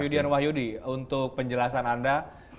yudian wahyudi untuk penjelasan anda